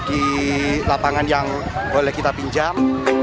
di lapangan yang boleh kita pinjam